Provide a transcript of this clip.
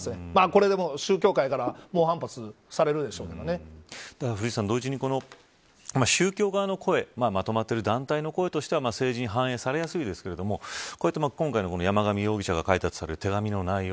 これ、宗教界からただ古市さん同時に宗教側の声まとまっている団体の声としては政治に反映されやすいですがこうやって今回の山上容疑者が書いたとされる手紙の内容